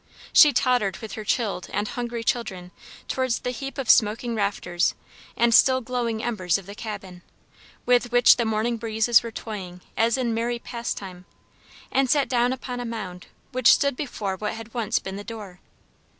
She tottered with her chilled and hungry children towards the heap of smoking rafters and still glowing embers of the cabin, with which the morning breezes were toying as in merry pastime, and sat down upon a mound which stood before what had once been the door.